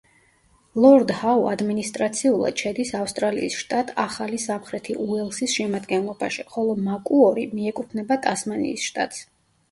ლორდ-ჰაუ ადმინისტრაციულად შედის ავსტრალიის შტატ ახალი სამხრეთი უელსის შემადგენლობაში, ხოლო მაკუორი მიეკუთვნება ტასმანიის შტატს.